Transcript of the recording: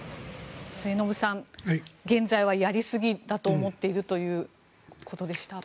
末延さん、現在は、やりすぎだと思っているということでした。